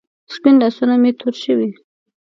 سپین لاسونه مې تور شوې